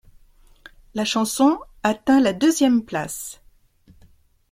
La chanson atteint la deuxième place.